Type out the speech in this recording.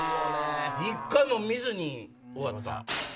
１回も見ずに終わった。